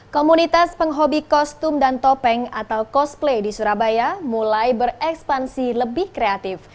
komunitas penghobi kostum dan topeng atau cosplay di surabaya mulai berekspansi lebih kreatif